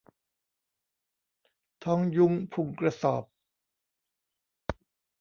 ท้องยุ้งพุงกระสอบ